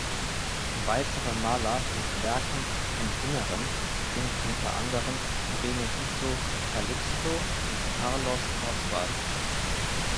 Weitere Maler mit Werken im Inneren sind unter anderem Benedito Calixto und Carlos Oswald.